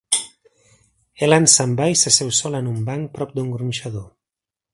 Helen se'n va i s'asseu sola en un banc prop d'un gronxador.